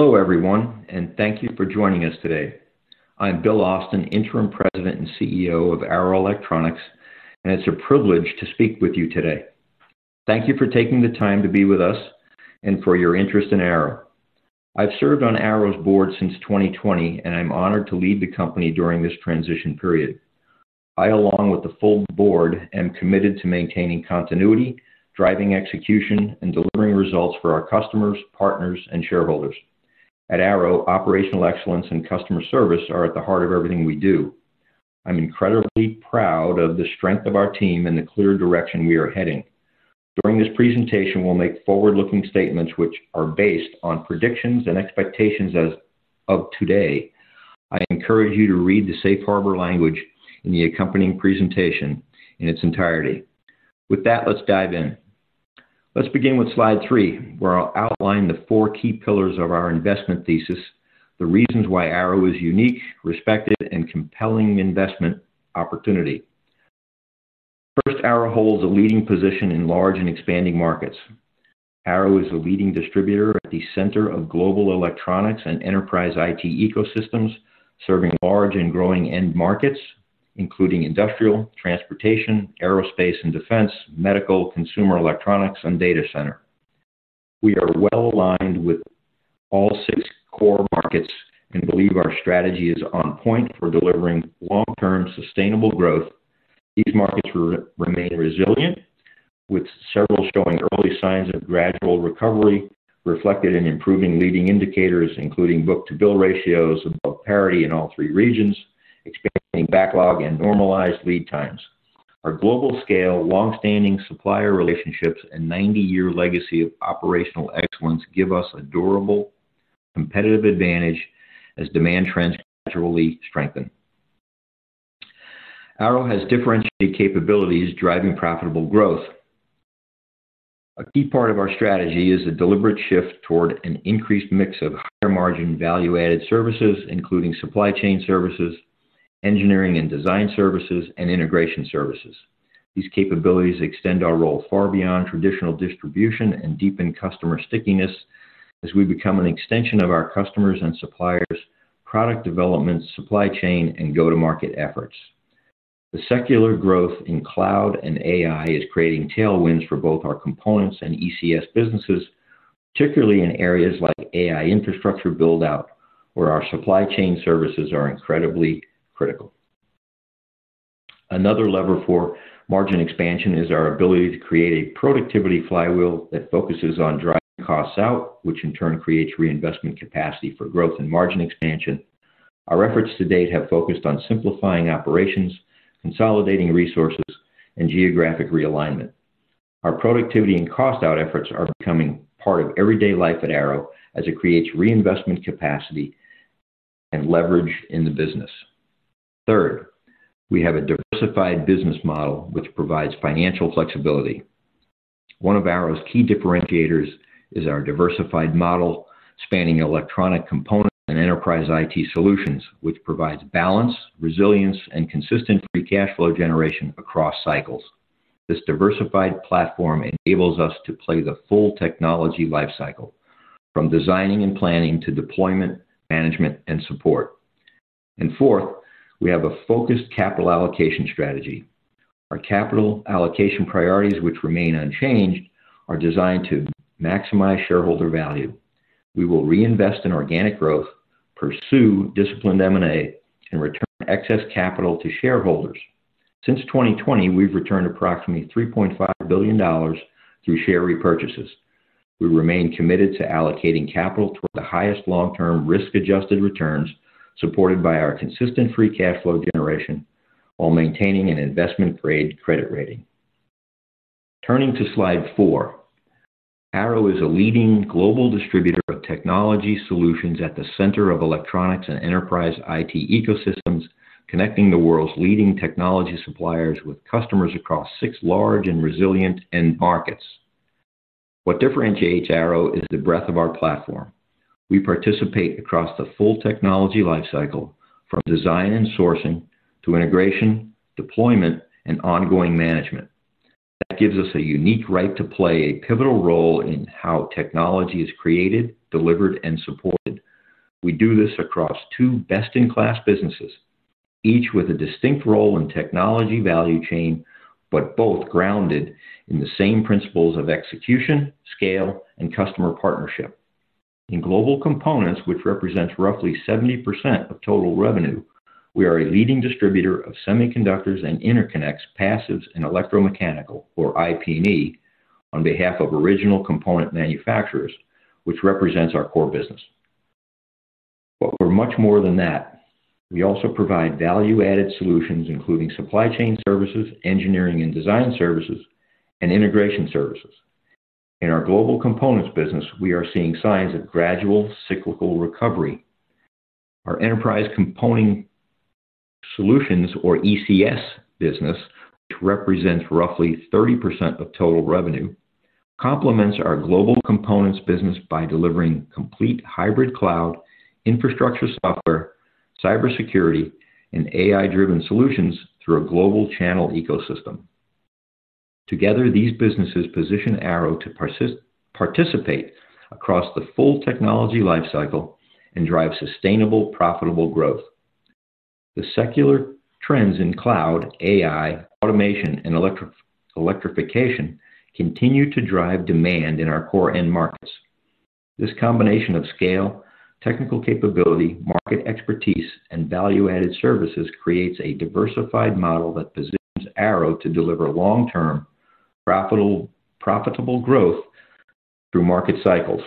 Hello everyone, and thank you for joining us today. I'm Bill Austen, Interim President and CEO of Arrow Electronics, and it's a privilege to speak with you today. Thank you for taking the time to be with us and for your interest in Arrow. I've served on Arrow's board since 2020, and I'm honored to lead the company during this transition period. I, along with the full board, am committed to maintaining continuity, driving execution, and delivering results for our customers, partners, and shareholders. At Arrow, operational excellence and customer service are at the heart of everything we do. I'm incredibly proud of the strength of our team and the clear direction we are heading. During this presentation, we'll make forward-looking statements which are based on predictions and expectations as of today. I encourage you to read the safe harbor language in the accompanying presentation in its entirety. With that, let's dive in. Let's begin with slide three, where I'll outline the four key pillars of our investment thesis, the reasons why Arrow is a unique, respected, and compelling investment opportunity. First, Arrow holds a leading position in large and expanding markets. Arrow is a leading distributor at the center of global electronics and enterprise IT ecosystems, serving large and growing end markets, including industrial, transportation, aerospace and defense, medical, consumer electronics, and data center. We are well aligned with all six core markets and believe our strategy is on point for delivering long-term sustainable growth. These markets remain resilient, with several showing early signs of gradual recovery reflected in improving leading indicators, including book-to-bill ratios above parity in all three regions, expanding backlog, and normalized lead times. Our global scale, long-standing supplier relationships, and 90-year legacy of operational excellence give us a durable competitive advantage as demand trends gradually strengthen. Arrow has differentiated capabilities driving profitable growth. A key part of our strategy is a deliberate shift toward an increased mix of higher-margin value-added services, including supply chain services, engineering and design services, and integration services. These capabilities extend our role far beyond traditional distribution and deepen customer stickiness as we become an extension of our customers' and suppliers' product development, supply chain, and go-to-market efforts. The secular growth in cloud and AI is creating tailwinds for both our components and ECS businesses, particularly in areas like AI infrastructure build-out, where our supply chain services are incredibly critical. Another lever for margin expansion is our ability to create a productivity flywheel that focuses on driving costs out, which in turn creates reinvestment capacity for growth and margin expansion. Our efforts to date have focused on simplifying operations, consolidating resources, and geographic realignment. Our productivity and cost-out efforts are becoming part of everyday life at Arrow as it creates reinvestment capacity and leverage in the business. Third, we have a diversified business model which provides financial flexibility. One of Arrow's key differentiators is our diversified model spanning electronic components and enterprise IT solutions, which provides balance, resilience, and consistent free cash flow generation across cycles. This diversified platform enables us to play the full technology lifecycle, from designing and planning to deployment, management, and support. Fourth, we have a focused capital allocation strategy. Our capital allocation priorities, which remain unchanged, are designed to maximize shareholder value. We will reinvest in organic growth, pursue disciplined M&A, and return excess capital to shareholders. Since 2020, we've returned approximately $3.5 billion through share repurchases. We remain committed to allocating capital toward the highest long-term risk-adjusted returns supported by our consistent free cash flow generation while maintaining an investment-grade credit rating. Turning to slide four, Arrow is a leading global distributor of technology solutions at the center of electronics and enterprise IT ecosystems, connecting the world's leading technology suppliers with customers across six large and resilient end markets. What differentiates Arrow is the breadth of our platform. We participate across the full technology lifecycle, from design and sourcing to integration, deployment, and ongoing management. That gives us a unique right to play a pivotal role in how technology is created, delivered, and supported. We do this across two best-in-class businesses, each with a distinct role in the technology value chain, but both grounded in the same principles of execution, scale, and customer partnership. In Global Components, which represents roughly 70% of total revenue, we are a leading distributor of semiconductors and interconnects, passives and electromechanical, or IP&E, on behalf of original component manufacturers, which represents our core business. We are much more than that. We also provide value-added solutions, including supply chain services, engineering and design services, and integration services. In our Global Components business, we are seeing signs of gradual cyclical recovery. Our Enterprise Component Solutions, or ECS business, which represents roughly 30% of total revenue, complements our Global Components business by delivering complete hybrid cloud infrastructure software, cybersecurity, and AI-driven solutions through a global channel ecosystem. Together, these businesses position Arrow to participate across the full technology lifecycle and drive sustainable, profitable growth. The secular trends in cloud, AI, automation, and electrification continue to drive demand in our core end markets. This combination of scale, technical capability, market expertise, and value-added services creates a diversified model that positions Arrow to deliver long-term profitable growth through market cycles.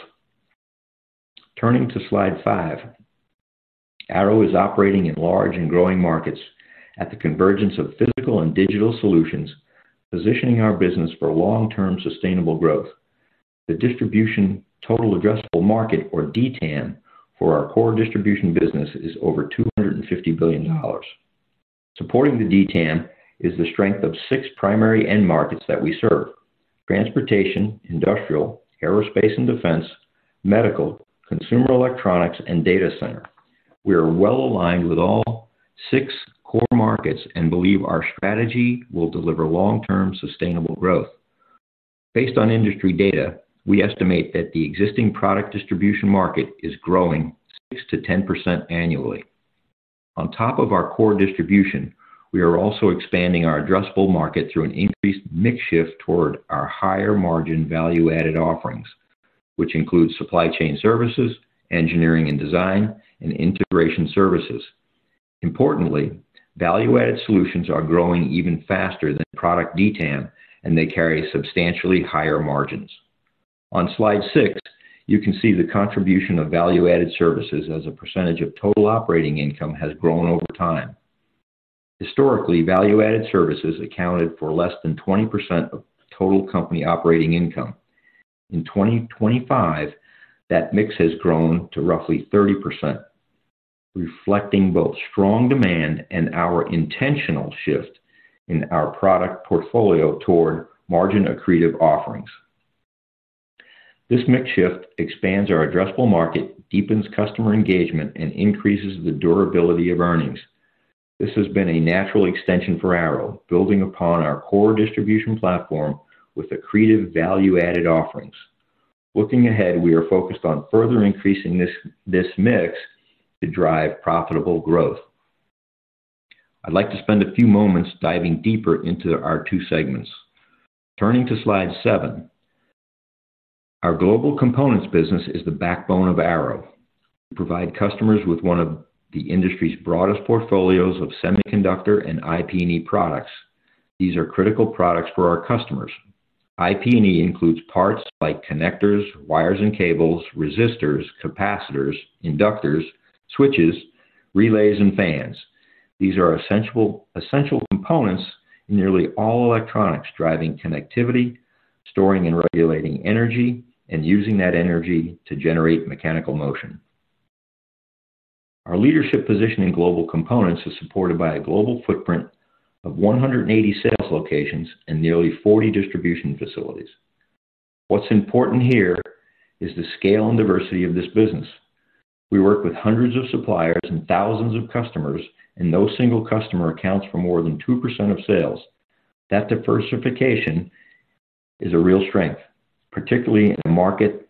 Turning to slide five, Arrow is operating in large and growing markets at the convergence of physical and digital solutions, positioning our business for long-term sustainable growth. The distribution total addressable market, or DTAM, for our core distribution business is over $250 billion. Supporting the DTAM is the strength of six primary end markets that we serve: transportation, industrial, aerospace and defense, medical, consumer electronics, and data center. We are well aligned with all six core markets and believe our strategy will deliver long-term sustainable growth. Based on industry data, we estimate that the existing product distribution market is growing 6%-10% annually. On top of our core distribution, we are also expanding our addressable market through an increased mix shift toward our higher-margin value-added offerings, which include supply chain services, engineering and design, and integration services. Importantly, value-added solutions are growing even faster than product DTAM, and they carry substantially higher margins. On slide six, you can see the contribution of value-added services as a percentage of total operating income has grown over time. Historically, value-added services accounted for less than 20% of total company operating income. In 2025, that mix has grown to roughly 30%, reflecting both strong demand and our intentional shift in our product portfolio toward margin-accretive offerings. This mix shift expands our addressable market, deepens customer engagement, and increases the durability of earnings. This has been a natural extension for Arrow, building upon our core distribution platform with accretive value-added offerings. Looking ahead, we are focused on further increasing this mix to drive profitable growth. I'd like to spend a few moments diving deeper into our two segments. Turning to slide seven, our Global Components business is the backbone of Arrow. We provide customers with one of the industry's broadest portfolios of semiconductor and IP&E products. These are critical products for our customers. IP&E includes parts like connectors, wires and cables, resistors, capacitors, inductors, switches, relays, and fans. These are essential components in nearly all electronics, driving connectivity, storing and regulating energy, and using that energy to generate mechanical motion. Our leadership position in Global Components is supported by a global footprint of 180 sales locations and nearly 40 distribution facilities. What's important here is the scale and diversity of this business. We work with hundreds of suppliers and thousands of customers, and no single customer accounts for more than 2% of sales. That diversification is a real strength, particularly in a market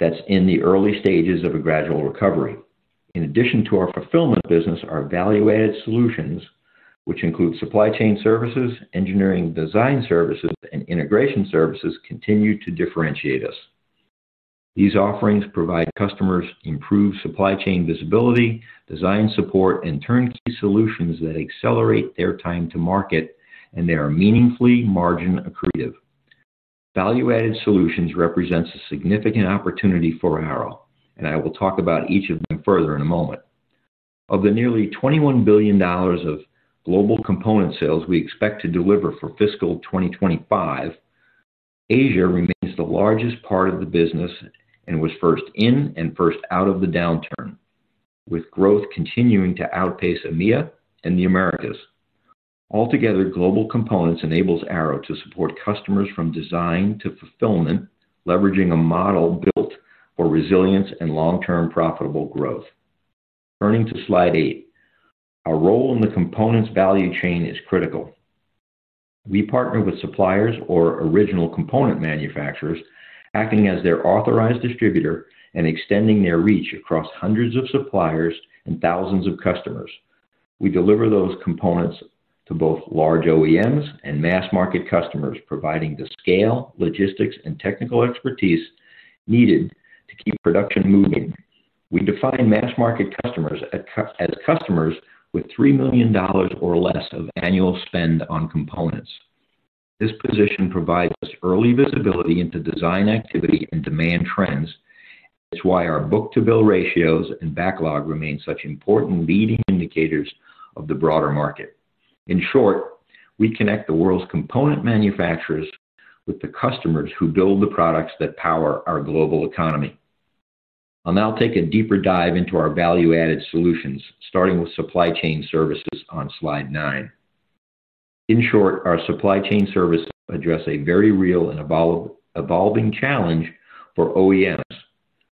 that is in the early stages of a gradual recovery. In addition to our fulfillment business, our value-added solutions, which include supply chain services, engineering design services, and integration services, continue to differentiate us. These offerings provide customers improved supply chain visibility, design support, and turnkey solutions that accelerate their time to market, and they are meaningfully margin-accretive. Value-added solutions represent a significant opportunity for Arrow, and I will talk about each of them further in a moment. Of the nearly $21 billion of global component sales we expect to deliver for fiscal 2025, Asia remains the largest part of the business and was first in and first out of the downturn, with growth continuing to outpace EMEA and the Americas. Altogether, Global Components enables Arrow to support customers from design to fulfillment, leveraging a model built for resilience and long-term profitable growth. Turning to slide eight, our role in the components value chain is critical. We partner with suppliers or original component manufacturers, acting as their authorized distributor and extending their reach across hundreds of suppliers and thousands of customers. We deliver those components to both large OEMs and mass market customers, providing the scale, logistics, and technical expertise needed to keep production moving. We define mass market customers as customers with $3 million or less of annual spend on components. This position provides us early visibility into design activity and demand trends. It's why our book-to-bill ratios and backlog remain such important leading indicators of the broader market. In short, we connect the world's component manufacturers with the customers who build the products that power our global economy. I'll now take a deeper dive into our value-added solutions, starting with supply chain services on slide nine. In short, our supply chain services address a very real and evolving challenge for OEMs: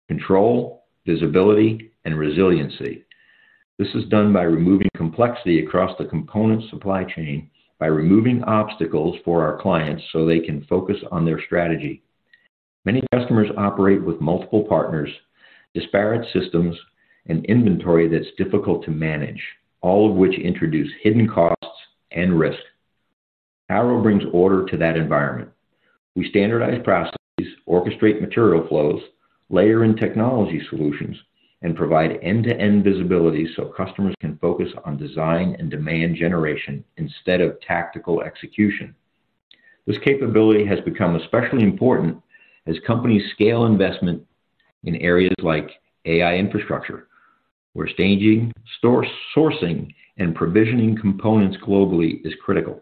control, visibility, and resiliency. This is done by removing complexity across the component supply chain, by removing obstacles for our clients so they can focus on their strategy. Many customers operate with multiple partners, disparate systems, and inventory that's difficult to manage, all of which introduce hidden costs and risk. Arrow brings order to that environment. We standardize processes, orchestrate material flows, layer in technology solutions, and provide end-to-end visibility so customers can focus on design and demand generation instead of tactical execution. This capability has become especially important as companies scale investment in areas like AI infrastructure, where staging, sourcing, and provisioning components globally is critical.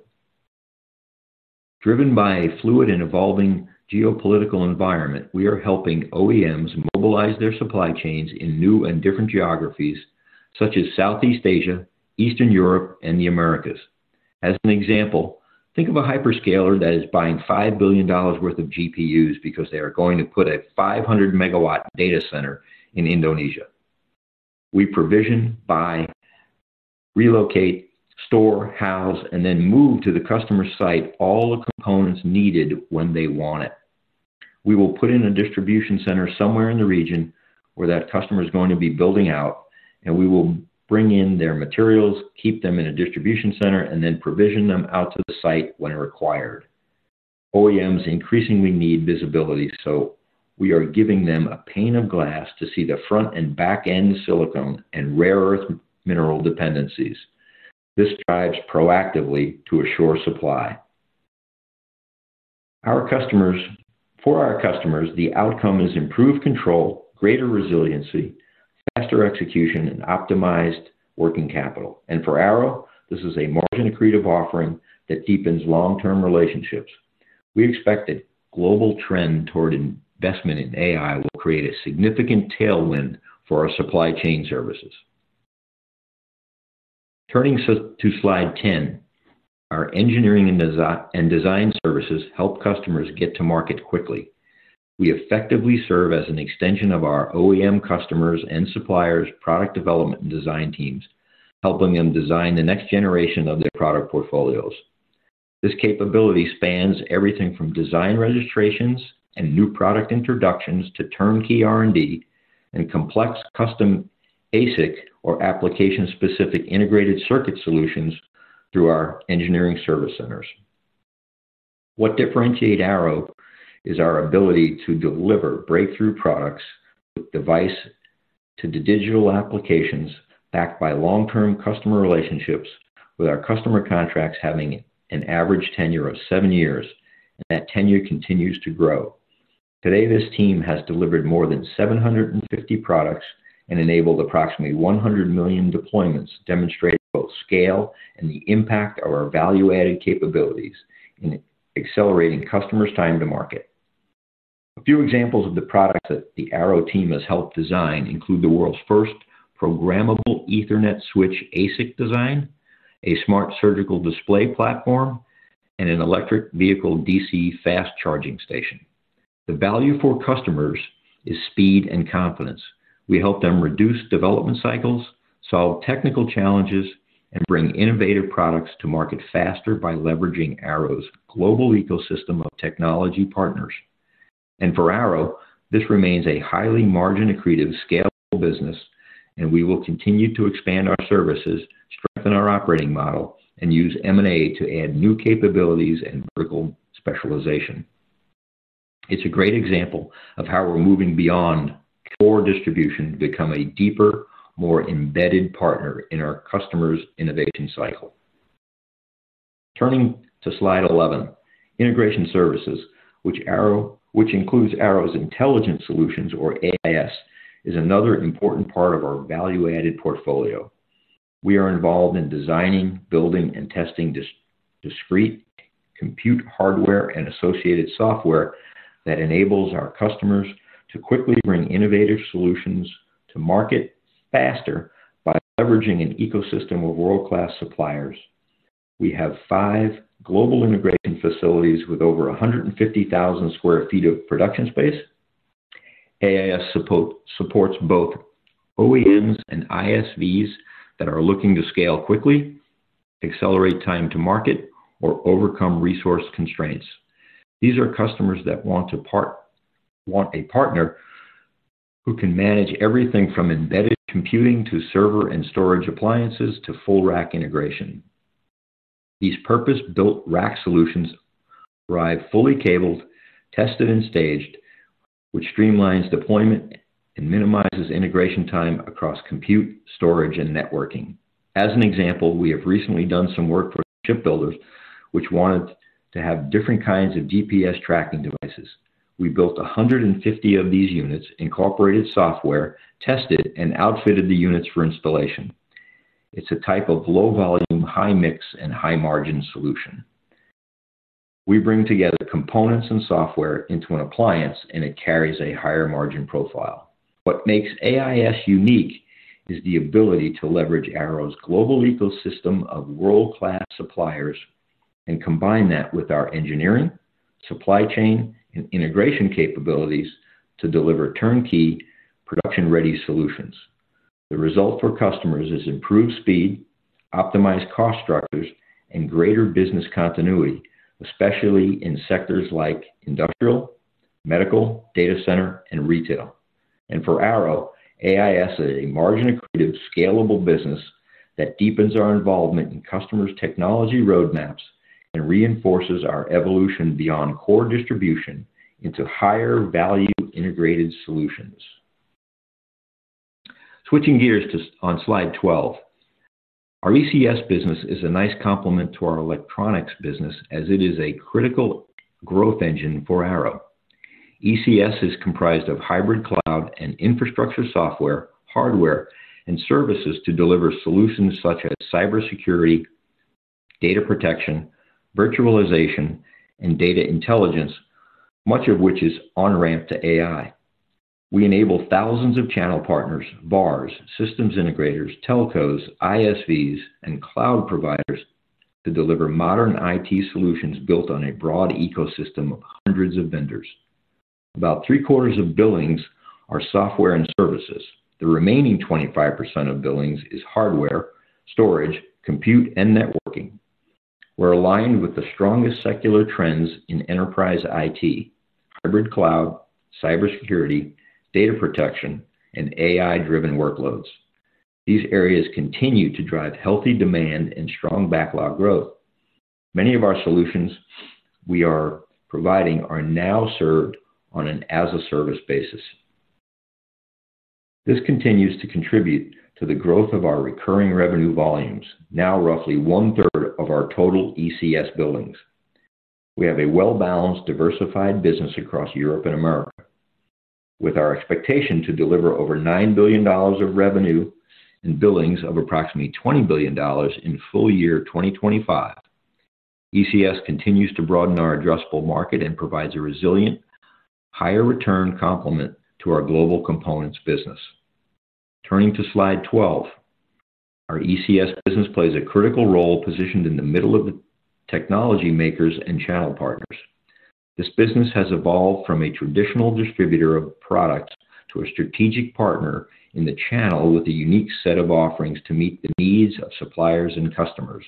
Driven by a fluid and evolving geopolitical environment, we are helping OEMs mobilize their supply chains in new and different geographies, such as Southeast Asia, Eastern Europe, and the Americas. As an example, think of a hyperscaler that is buying $5 billion worth of GPUs because they are going to put a 500-MW data center in Indonesia. We provision, buy, relocate, store, house, and then move to the customer's site, all the components needed when they want it. We will put in a distribution center somewhere in the region where that customer is going to be building out, and we will bring in their materials, keep them in a distribution center, and then provision them out to the site when required. OEMs increasingly need visibility, so we are giving them a pane of glass to see the front and back end silicon and rare earth mineral dependencies. This drives proactively to assure supply. For our customers, the outcome is improved control, greater resiliency, faster execution, and optimized working capital. For Arrow, this is a margin-accretive offering that deepens long-term relationships. We expect a global trend toward investment in AI will create a significant tailwind for our supply chain services. Turning to slide ten, our engineering and design services help customers get to market quickly. We effectively serve as an extension of our OEM customers and suppliers' product development and design teams, helping them design the next generation of their product portfolios. This capability spans everything from design registrations and new product introductions to turnkey R&D and complex custom ASIC or application-specific integrated circuit solutions through our engineering service centers. What differentiates Arrow is our ability to deliver breakthrough products with device to digital applications backed by long-term customer relationships, with our customer contracts having an average tenure of seven years, and that tenure continues to grow. Today, this team has delivered more than 750 products and enabled approximately 100 million deployments, demonstrating both scale and the impact of our value-added capabilities in accelerating customers' time to market. A few examples of the products that the Arrow team has helped design include the world's first programmable Ethernet switch ASIC design, a smart surgical display platform, and an electric vehicle DC fast charging station. The value for customers is speed and confidence. We help them reduce development cycles, solve technical challenges, and bring innovative products to market faster by leveraging Arrow's global ecosystem of technology partners. For Arrow, this remains a highly margin-accretive scalable business, and we will continue to expand our services, strengthen our operating model, and use M&A to add new capabilities and vertical specialization. It is a great example of how we are moving beyond core distribution to become a deeper, more embedded partner in our customers' innovation cycle. Turning to slide 11, integration services, which includes Arrow's intelligence solutions, or AIS, is another important part of our value-added portfolio. We are involved in designing, building, and testing discrete compute hardware and associated software that enables our customers to quickly bring innovative solutions to market faster by leveraging an ecosystem of world-class suppliers. We have five global integration facilities with over 150,000 sq ft of production space. AIS supports both OEMs and ISVs that are looking to scale quickly, accelerate time to market, or overcome resource constraints. These are customers that want a partner who can manage everything from embedded computing to server and storage appliances to full rack integration. These purpose-built rack solutions arrive fully cabled, tested, and staged, which streamlines deployment and minimizes integration time across compute, storage, and networking. As an example, we have recently done some work for shipbuilders which wanted to have different kinds of GPS tracking devices. We built 150 of these units, incorporated software, tested, and outfitted the units for installation. It's a type of low-volume, high-mix, and high-margin solution. We bring together components and software into an appliance, and it carries a higher margin profile. What makes AIS unique is the ability to leverage Arrow's global ecosystem of world-class suppliers and combine that with our engineering, supply chain, and integration capabilities to deliver turnkey production-ready solutions. The result for customers is improved speed, optimized cost structures, and greater business continuity, especially in sectors like industrial, medical, data center, and retail. For Arrow, AIS is a margin-accretive, scalable business that deepens our involvement in customers' technology roadmaps and reinforces our evolution beyond core distribution into higher value integrated solutions. Switching gears to slide 12, our ECS business is a nice complement to our electronics business, as it is a critical growth engine for Arrow. ECS is comprised of hybrid cloud and infrastructure software, hardware, and services to deliver solutions such as cybersecurity, data protection, virtualization, and data intelligence, much of which is OnRamp to AI. We enable thousands of channel partners, VARs, systems integrators, telcos, ISVs, and cloud providers to deliver modern IT solutions built on a broad ecosystem of hundreds of vendors. About 3/4s of billings are software and services. The remaining 25% of billings is hardware, storage, compute, and networking. We're aligned with the strongest secular trends in enterprise IT, hybrid cloud, cybersecurity, data protection, and AI-driven workloads. These areas continue to drive healthy demand and strong backlog growth. Many of our solutions we are providing are now served on an as-a-service basis. This continues to contribute to the growth of our recurring revenue volumes, now roughly 1/3 of our total ECS billings. We have a well-balanced, diversified business across Europe and Americas, with our expectation to deliver over $9 billion of revenue and billings of approximately $20 billion in full year 2025. ECS continues to broaden our addressable market and provides a resilient, higher-return complement to our Global Components business. Turning to slide 12, our ECS business plays a critical role positioned in the middle of the technology makers and channel partners. This business has evolved from a traditional distributor of products to a strategic partner in the channel with a unique set of offerings to meet the needs of suppliers and customers.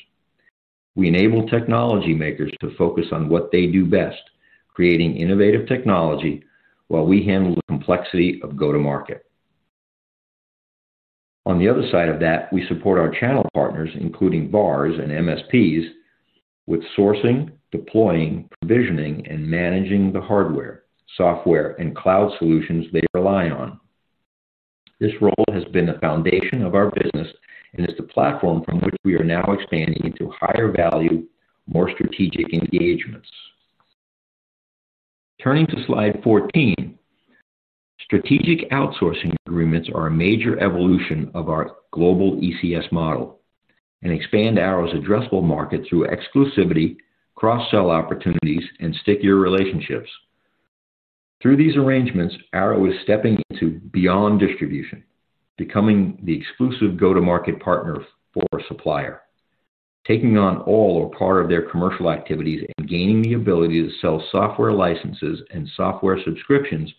We enable technology makers to focus on what they do best, creating innovative technology while we handle the complexity of go-to-market. On the other side of that, we support our channel partners, including VARs and MSPs, with sourcing, deploying, provisioning, and managing the hardware, software, and cloud solutions they rely on. This role has been the foundation of our business and is the platform from which we are now expanding into higher value, more strategic engagements. Turning to slide 14, strategic outsourcing agreements are a major evolution of our global ECS model and expand Arrow's addressable market through exclusivity, cross-sell opportunities, and stickier relationships. Through these arrangements, Arrow is stepping into beyond distribution, becoming the exclusive go-to-market partner for a supplier, taking on all or part of their commercial activities and gaining the ability to sell software licenses and software subscriptions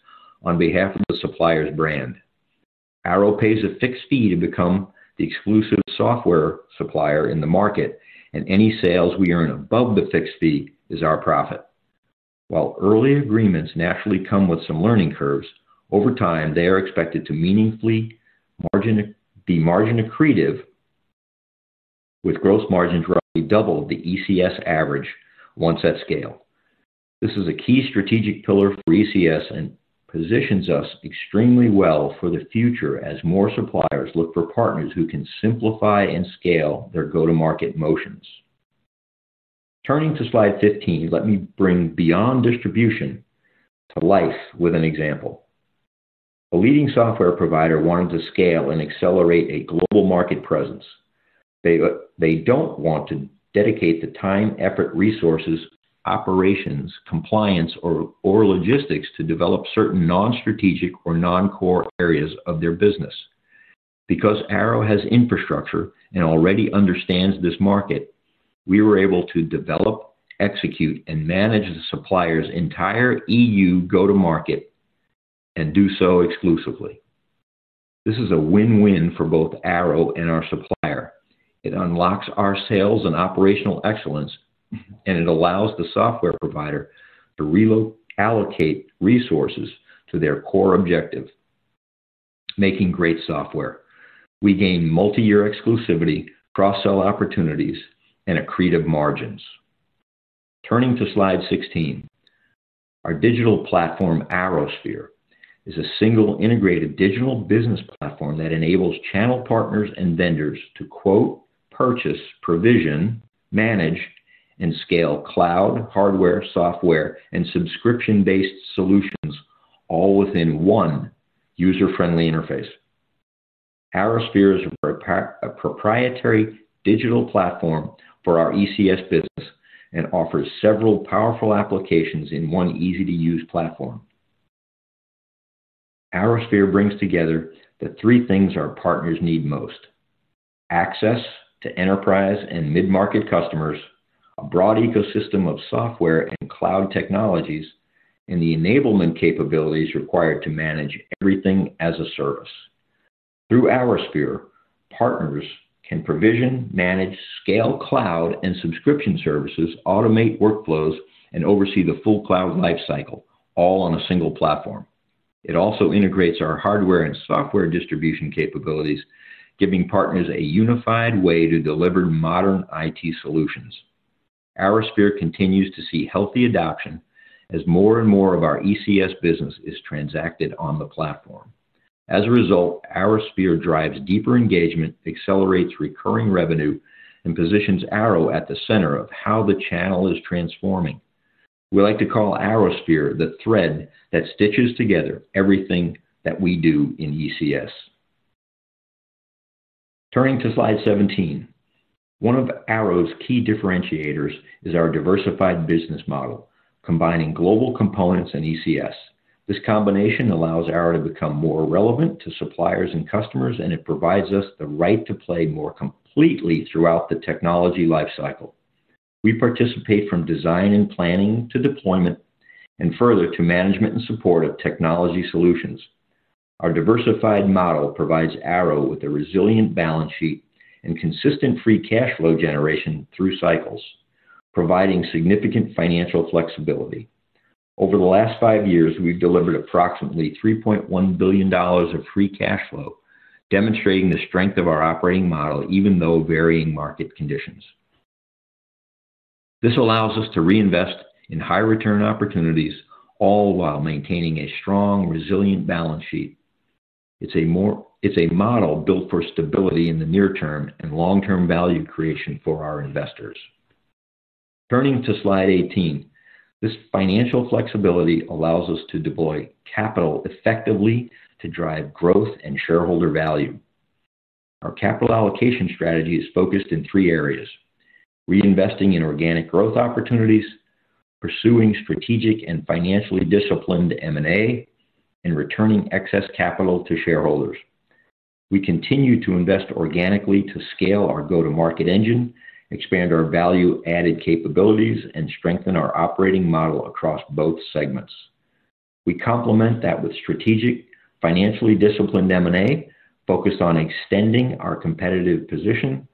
on behalf of the supplier's brand. Arrow pays a fixed fee to become the exclusive software supplier in the market, and any sales we earn above the fixed fee is our profit. While early agreements naturally come with some learning curves, over time, they are expected to be margin-accretive, with gross margins roughly double the ECS average once at scale. This is a key strategic pillar for ECS and positions us extremely well for the future as more suppliers look for partners who can simplify and scale their go-to-market motions. Turning to slide 15, let me bring beyond distribution to life with an example. A leading software provider wanted to scale and accelerate a global market presence. They don't want to dedicate the time, effort, resources, operations, compliance, or logistics to develop certain non-strategic or non-core areas of their business. Because Arrow has infrastructure and already understands this market, we were able to develop, execute, and manage the supplier's entire EU go-to-market and do so exclusively. This is a win-win for both Arrow and our supplier. It unlocks our sales and operational excellence, and it allows the software provider to relocate resources to their core objective, making great software. We gain multi-year exclusivity, cross-sell opportunities, and accretive margins. Turning to slide 16, our digital platform, ArrowSphere, is a single integrated digital business platform that enables channel partners and vendors to quote, purchase, provision, manage, and scale cloud, hardware, software, and subscription-based solutions, all within one user-friendly interface. ArrowSphere is a proprietary digital platform for our ECS business and offers several powerful applications in one easy-to-use platform. ArrowSphere brings together the three things our partners need most: access to enterprise and mid-market customers, a broad ecosystem of software and cloud technologies, and the enablement capabilities required to manage everything as a service. Through ArrowSphere, partners can provision, manage, ScaleCloud and subscription services, automate workflows, and oversee the full cloud lifecycle, all on a single platform. It also integrates our hardware and software distribution capabilities, giving partners a unified way to deliver modern IT solutions. ArrowSphere continues to see healthy adoption as more and more of our ECS business is transacted on the platform. As a result, ArrowSphere drives deeper engagement, accelerates recurring revenue, and positions Arrow at the center of how the channel is transforming. We like to call ArrowSphere the thread that stitches together everything that we do in ECS. Turning to slide 17, one of Arrow's key differentiators is our diversified business model, combining Global Components and ECS. This combination allows Arrow to become more relevant to suppliers and customers, and it provides us the right to play more completely throughout the technology lifecycle. We participate from design and planning to deployment and further to management and support of technology solutions. Our diversified model provides Arrow with a resilient balance sheet and consistent free cash flow generation through cycles, providing significant financial flexibility. Over the last five years, we've delivered approximately $3.1 billion of free cash flow, demonstrating the strength of our operating model even through varying market conditions. This allows us to reinvest in high-return opportunities, all while maintaining a strong, resilient balance sheet. It's a model built for stability in the near term and long-term value creation for our investors. Turning to slide 18, this financial flexibility allows us to deploy capital effectively to drive growth and shareholder value. Our capital allocation strategy is focused in three areas: reinvesting in organic growth opportunities, pursuing strategic and financially disciplined M&A, and returning excess capital to shareholders. We continue to invest organically to scale our go-to-market engine, expand our value-added capabilities, and strengthen our operating model across both segments. We complement that with strategic, financially disciplined M&A focused on extending our competitive position,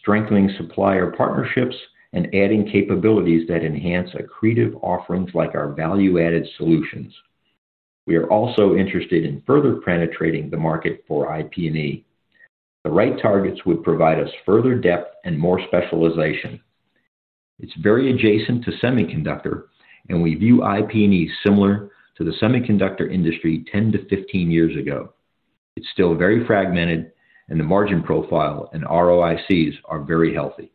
strengthening supplier partnerships, and adding capabilities that enhance accretive offerings like our value-added solutions. We are also interested in further penetrating the market for IP&E. The right targets would provide us further depth and more specialization. It's very adjacent to semiconductor, and we view IP&E similar to the semiconductor industry 10-15 years ago. It's still very fragmented, and the margin profile and ROICs are very healthy.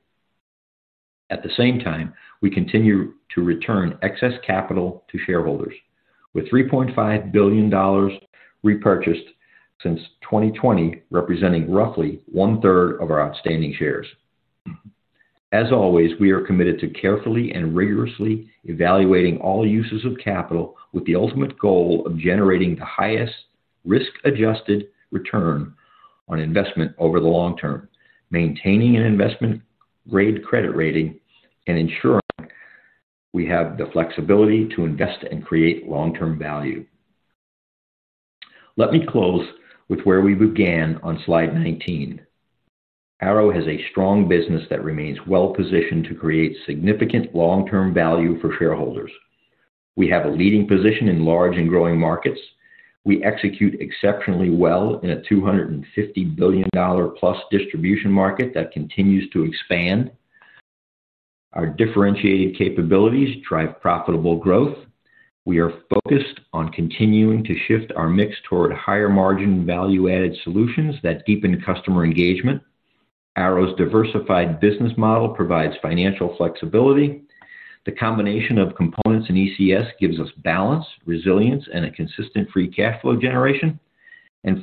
At the same time, we continue to return excess capital to shareholders, with $3.5 billion repurchased since 2020, representing roughly 1/3 of our outstanding shares. As always, we are committed to carefully and rigorously evaluating all uses of capital with the ultimate goal of generating the highest risk-adjusted return on investment over the long term, maintaining an investment-grade credit rating, and ensuring we have the flexibility to invest and create long-term value. Let me close with where we began on slide 19. Arrow has a strong business that remains well-positioned to create significant long-term value for shareholders. We have a leading position in large and growing markets. We execute exceptionally well in a $250 billion-plus distribution market that continues to expand. Our differentiated capabilities drive profitable growth. We are focused on continuing to shift our mix toward higher margin value-added solutions that deepen customer engagement. Arrow's diversified business model provides financial flexibility. The combination of components in ECS gives us balance, resilience, and a consistent free cash flow generation.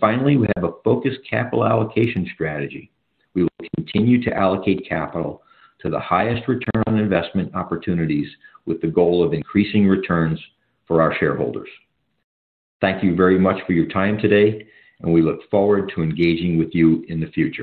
Finally, we have a focused capital allocation strategy. We will continue to allocate capital to the highest return on investment opportunities with the goal of increasing returns for our shareholders. Thank you very much for your time today, and we look forward to engaging with you in the future.